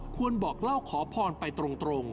บอกเล่าขอพรไปตรง